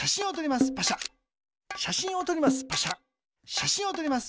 しゃしんをとります。